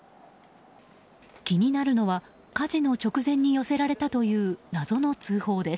気になるのは火事の直前に寄せられたという謎の通報です。